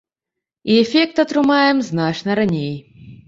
І эфект атрымаем значна раней.